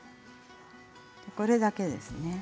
これだけですね。